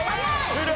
終了。